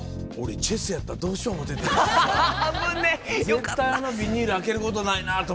絶対あのビニール開けることないなと思ってさ。